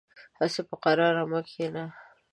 هسې په قرار مه کېنه .